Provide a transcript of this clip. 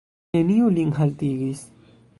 Neniu lin haltigis.